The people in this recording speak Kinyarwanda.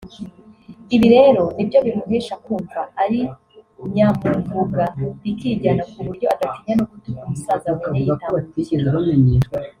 Ibi rero nibyo bimuhesha kumva ari nyamuvuga rikijyana kuburyo adatinya no gutuka umusaza abonye yitambukira